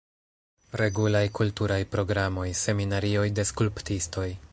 Regulaj kulturaj programoj, seminarioj de skulptistoj.